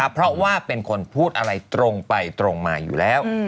เพราะว่าเป็นคนพูดอะไรตรงไปตรงมาอยู่แล้ว